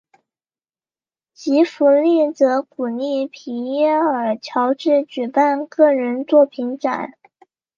吉福利则鼓励皮耶尔乔治举办个人作品展。